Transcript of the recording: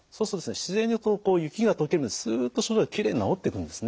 自然にこう雪が解けるようにすっと症状がきれいに治っていくんですね。